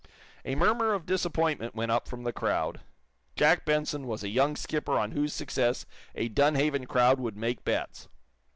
A murmur of disappointment went up from the crowd. Jack Benson was a young skipper on whose success a Dunhaven crowd would make bets.